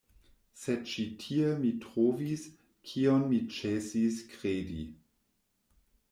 Sed ĉi tie mi trovis, kion mi ĉesis kredi.